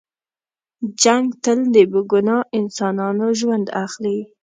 جنګ تل د بې ګناه انسانانو ژوند اخلي.